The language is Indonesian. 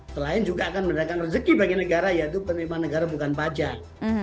selain juga akan mendapatkan rezeki bagi negara yaitu penerimaan negara bukan pajak